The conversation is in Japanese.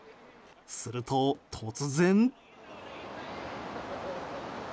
すると、突然。